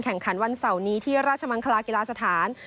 แข่งขันวันเสาร์นี้ที่ราชมังคลากีฬาสถาน